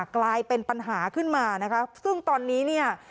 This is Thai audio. กลายเป็นปัญหาขึ้นมานะคะซึ่งตอนนี้เนี่ย